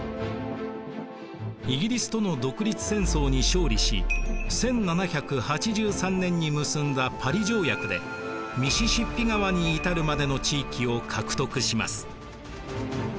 イギリスとの独立戦争に勝利し１７８３年に結んだパリ条約でミシシッピ川に至るまでの地域を獲得します。